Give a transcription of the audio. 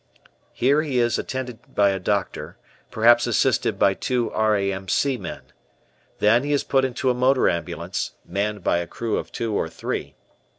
Here he is attended by a doctor, perhaps assisted by two R.A.M.C. men. Then he is put into a motor ambulance, manned by a crew of two or three.